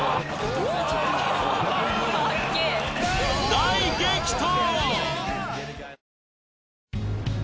大激闘！